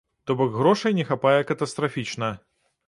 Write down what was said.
То бок, грошай не хапае катастрафічна.